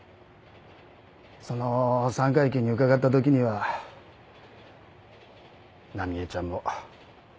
その三回忌に伺った時には奈美絵ちゃんも。